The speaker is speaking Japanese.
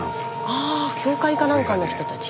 あ教会か何かの人たち。